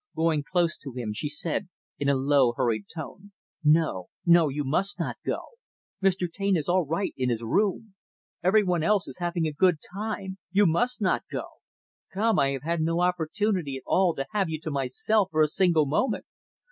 Going close to him, she said in a low, hurried tone, "No, no, you must not go. Mr. Taine is all right in his room. Every one else is having a good time. You must not go. Come, I have had no opportunity, at all, to have you to myself for a single moment.